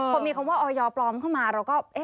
พอมีคำว่าออยปลอมเข้ามาเราก็